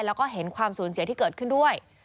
แล้วก็เห็นความสูญเสียที่เกิดขึ้นด้วย